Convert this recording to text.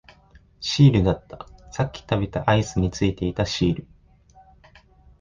シールだった、さっき食べたアイスについていたシール